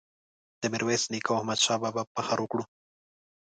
د میرویس نیکه او احمد شاه بابا فخر وکړو.